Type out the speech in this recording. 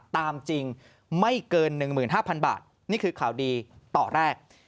ตามจริงไม่เกิน๑๕๐๐๐บาทนี่คือข่าวดีต่อแรก